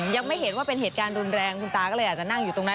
ยังไม่เห็นว่าเป็นเหตุการณ์รุนแรงคุณตาก็เลยอาจจะนั่งอยู่ตรงนั้น